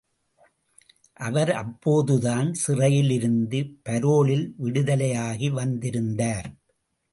அவர் அப்போதுதான் சிறையிலிருந்து பரோலில் விடுதலை ஆகி வந்திருந்தார்.